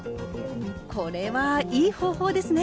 これはいい方法ですね。